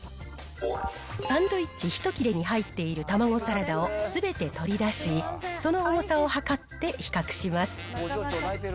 サンドイッチ１切れに入っているたまごサラダをすべて取り出し、その重さを量って比較します。